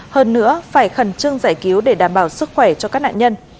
hơn nữa phải khẩn trương giải cứu để đảm bảo sức khỏe cho các nạn nhân